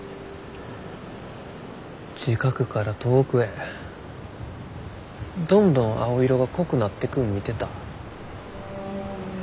近くから遠くへどんどん青色が濃くなってくん見てた。